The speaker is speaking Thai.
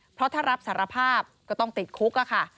เพราะถ้ารับสารภาพก็ต้องติดคุกค่ะ